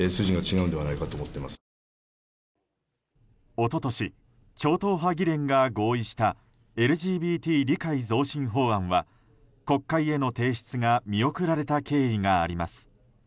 一昨年、超党派議連が合意したＬＧＢＴ理解増進法案は国会への提出が見送られた経緯があります。